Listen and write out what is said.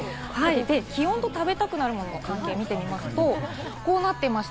気温と食べたくなるものの関係を見てみますと、こうなっています。